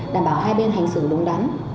đảm bảo hai bên hành xử đúng đắn